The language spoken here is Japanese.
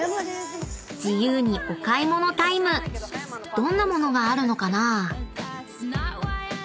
［どんな物があるのかな？］